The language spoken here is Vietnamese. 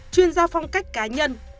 chuyên gia phong cách cá nhân